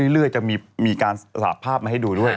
เรื่อยจะมีการสาธารณ์ภาพมาให้ดูด้วย